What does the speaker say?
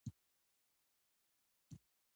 ستا د خوښې ورزشکار څوک دی؟